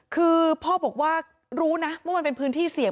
คือพ่อบอกว่ารู้นะว่ามันเป็นพื้นที่เสี่ยง